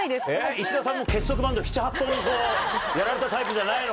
石田さんも結束バンド７８本こうやられたタイプじゃないの？